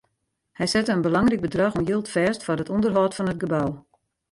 Hy sette in belangryk bedrach oan jild fêst foar it ûnderhâld fan it gebou.